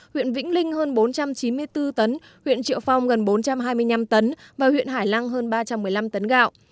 huyện vĩnh linh hơn bốn trăm chín mươi bốn tấn huyện triệu phong gần bốn trăm hai mươi năm tấn và huyện hải lăng hơn ba trăm một mươi năm tấn gạo